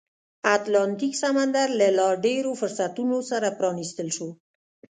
اتلانتیک سمندر له لا ډېرو فرصتونو سره پرانیستل شو.